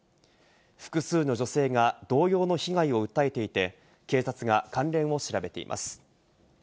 複数の女性が同様の被害を訴えていて、警察が関連を調べています。